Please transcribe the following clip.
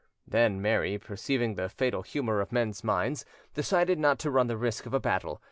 Then Mary, perceiving the fatal humour of men's minds, decided not to run the risk of a battle.